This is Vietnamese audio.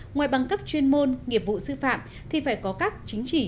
ngoài bằng cấp chuyên môn nghiệp vụ sư phạm thì phải có các chứng chỉ